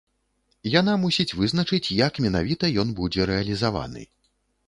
Яна мусіць вызначыць, як менавіта ён будзе рэалізаваны.